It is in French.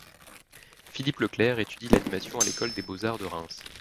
Philippe Leclerc étudie l'animation à l'école des Beaux-arts de Reims.